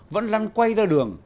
vẫn lăn quay ra đường